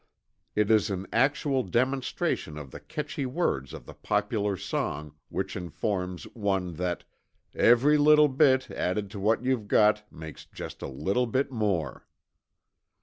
It is an actual demonstration of the catchy words of the popular song which informs one that: "Every little bit, added to what you've got, makes just a little bit more."